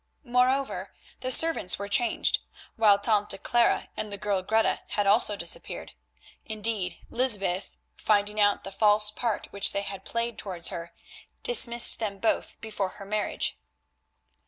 Moreover, the servants were changed, while Tante Clara and the girl Greta had also disappeared. Indeed, Lysbeth, finding out the false part which they had played towards her, dismissed them both before her marriage.